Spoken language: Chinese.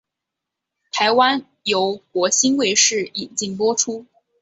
台湾由国兴卫视引进播出。